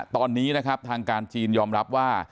ตอนนี้นะครับทางการจีนยอมรับว่า